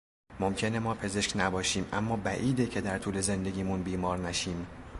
ممکنه ما پزشک نباشیم اما بعیده که در طول زندگیمون بیمار نشیم.